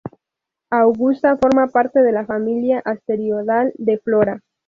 Augusta forma parte de la familia asteroidal de Flora.